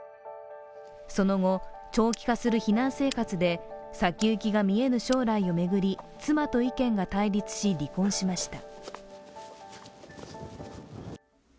その後、長期化する避難生活で先行きが見えぬ将来を巡り妻と意見が対立し離婚しました。